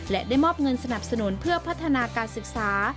และได้มอบเงินสนับสนุนเพื่อพัฒนาการศึกษา